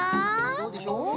どうでしょう？